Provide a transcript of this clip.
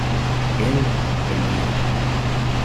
Elle, elle lirait.